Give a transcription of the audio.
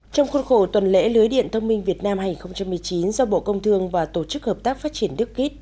trong khuôn khổ tuần lễ lưới điện thông minh việt nam hai nghìn một mươi chín do bộ công thương và tổ chức hợp tác phát triển đức kít